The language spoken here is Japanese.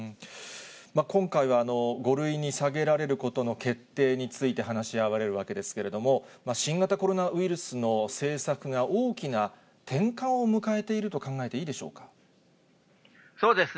今回は５類に下げられることの決定について話し合われるわけですけれども、新型コロナウイルスの政策が大きな転換を迎えていると考えていいそうですね。